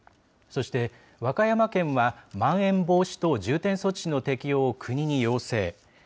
そして和歌山県は、まん延防止等重点措置の適用を国に要請。